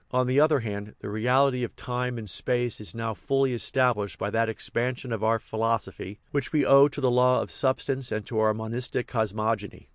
On the other hand, the real ity of time and space is now fully established by that expansion of our philosophy which we owe to the law of substance and to our monistic cosmogony.